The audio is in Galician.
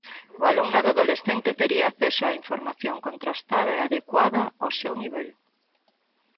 O alumnado adolescente tería acceso a información contrastada e adecuada ao seu nivel.